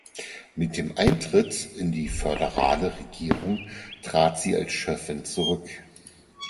Mit dem Eintritt in die föderale Regierung trat sie als Schöffin zurück.